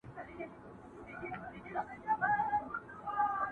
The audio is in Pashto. کورنۍ ورو ورو تيت کيږي تل،